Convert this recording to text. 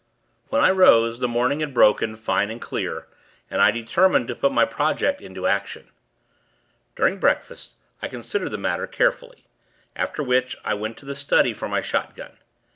When I rose the morning had broken, fine and clear; and I determined to put my project into action. During breakfast, I considered the matter, carefully; after which, I went to the study for my shotgun.